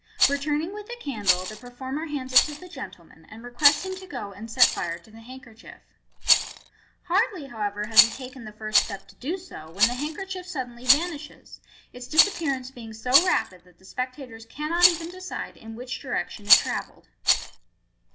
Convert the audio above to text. Returning with the candle, the performel hands it to the gentleman, and requests him to go and set fire to the handkerchief. Hardly, however, has he taken the first step to do so, when the handkerchief suddenly vanishes, its disappearance being so rapid that the spectators cannot even decide in which direction it travelled.